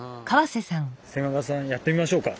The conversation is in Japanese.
千賀さんやってみましょうか。